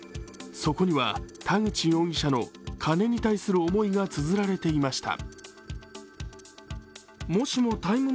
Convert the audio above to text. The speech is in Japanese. そこには田口容疑者の金に対する思いがつづられていました。